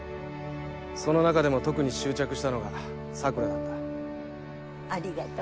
その中でも特に執着したのが桜だった。